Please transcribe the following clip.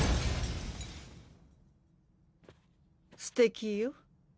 ステキよ。